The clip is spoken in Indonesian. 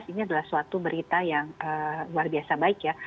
ini adalah suatu berita yang luar biasa baik ya